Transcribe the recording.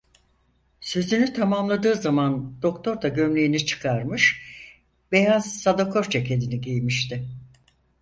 Sözünü tamamladığı zaman doktor da gömleğini çıkarmış, beyaz sadakor ceketini giymişti.